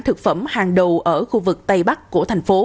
thực phẩm hàng đầu